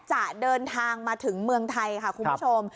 จะเดินทางมาถึงเมืองไทยค่ะคุณผู้ชม